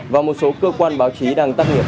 và một số cơ quan báo chí đang tác nghiệp